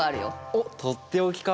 おっとっておきか。